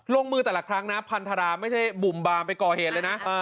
ลงมือแต่ละครั้งนะพันธราไม่ใช่บุ่มบามไปก่อเหตุเลยนะ